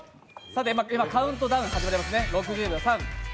今、カウントダウンが始まってますね。